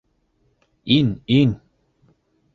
Ин, ин!